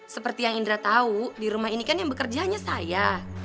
seperti yang indra tahu di rumah ini kan yang bekerja hanya saya